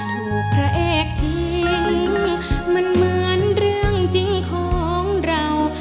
ถูกพระเอกทิ้งมันเหมือนเรื่องจริงของเรา